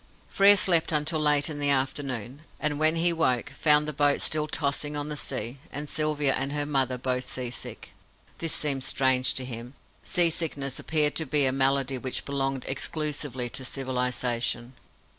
Frere slept until late in the afternoon, and, when he woke, found the boat still tossing on the sea, and Sylvia and her mother both seasick. This seemed strange to him. Sea sickness appeared to be a malady which belonged exclusively to civilization.